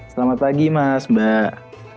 selamat pagi mas mbak